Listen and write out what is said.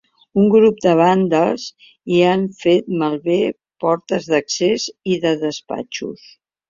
Un grup de vàndals hi han fet malbé portes d’accés i de despatxos.